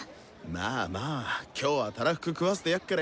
今日はたらふく食わせてやっからよ！